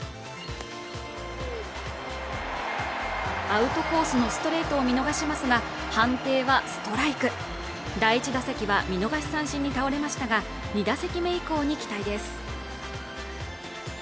アウトコースのストレートを見逃しますが判定はストライク第１打席は見逃し三振に倒れましたが２打席目以降に期待です